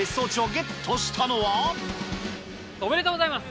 おめでとうございます。